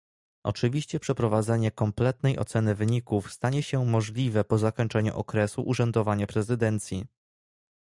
Oczywiście przeprowadzenie kompletnej oceny wyników stanie się możliwe po zakończeniu okresu urzędowania prezydencji